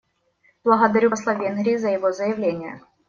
Благодарю посла Венгрии за его заявление.